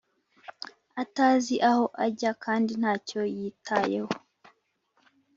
atazi aho ajya kandi ntacyo yitayeho